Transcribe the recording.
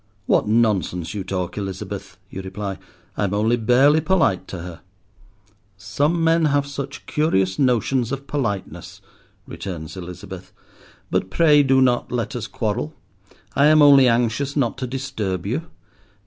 "What nonsense you talk, Elizabeth," you reply; "I am only barely polite to her." "Some men have such curious notions of politeness," returns Elizabeth. "But pray do not let us quarrel. I am only anxious not to disturb you.